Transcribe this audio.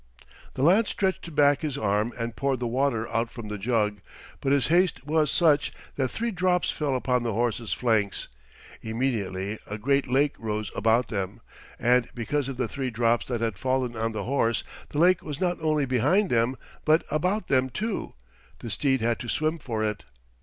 The lad stretched back his arm and poured the water out from the jug, but his haste was such that three drops fell upon the horse's flanks. Immediately a great lake rose about them, and because of the three drops that had fallen on the horse, the lake was not only behind them but about them, too; the steed had to swim for it.